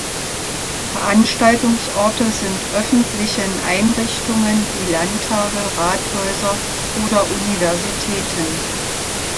Veranstaltungsorte sind öffentlichen Einrichtungen wie Landtage, Rathäuser oder Universitäten.